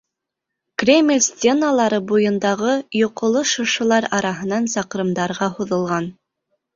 Кремль стеналары буйындағы йоҡоло шыршылар араһынан саҡрымдарға һуҙылған.